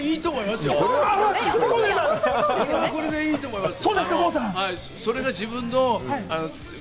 これはこれでいいと思いますよ。